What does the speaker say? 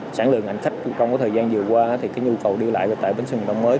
tại vì sản lượng hành khách trong thời gian vừa qua thì cái nhu cầu đi lại tại bến xe miền đông mới